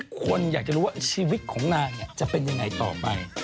คนอยากจะรู้ว่าชีวิตของนางจะเป็นยังไงต่อไป